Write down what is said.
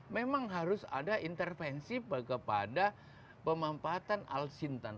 memang harus ada intervensi kepada pemampatan al sintan